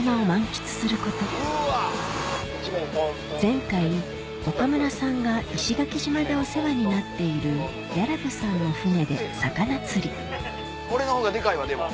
前回岡村さんが石垣島でお世話になっている俺のほうがデカいわでも。